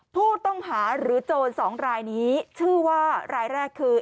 ผู้ต้องหาหรือโจรสองรายนี้ชื่อว่ารายแรกคือ